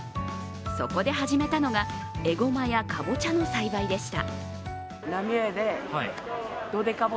そこで始めたのが、えごまやかぼちゃの栽培でした。